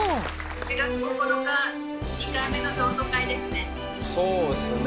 ７月９日、２回目の譲渡会でそうっすね。